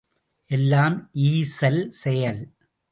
எல்லாம் ஈசல் செயல்.